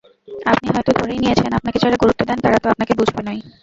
আপনি হয়তো ধরেই নিয়েছেন, আপনাকে যারা গুরুত্ব দেন তাঁরা তো আপনাকে বুঝবেনই।